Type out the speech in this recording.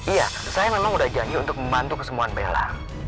iya saya memang udah janji untuk membantu kesemuan bella